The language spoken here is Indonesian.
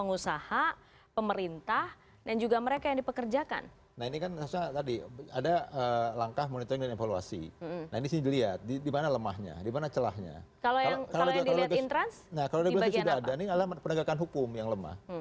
nah kalau yang dilihat itu sudah ada ini adalah penegakan hukum yang lemah